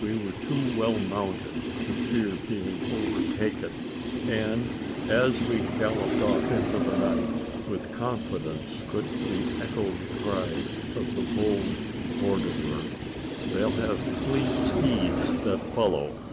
We were too well mounted to fear being overtaken; and, as we galloped off into the night, with confidence could we echo the cry of the bold borderer: "They'll have fleet steeds that follow!"